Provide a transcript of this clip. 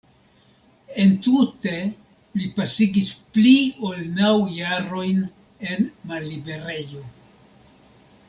Entute li pasigis pli ol naŭ jarojn en malliberejo.